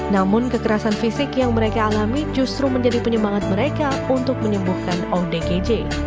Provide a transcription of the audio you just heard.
namun kekerasan fisik yang mereka alami justru menjadi penyemangat mereka untuk menyembuhkan odgj